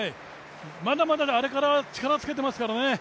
まだまだあれから力付けてますからね。